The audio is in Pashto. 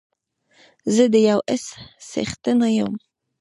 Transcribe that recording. زه د يو اس څښتن يم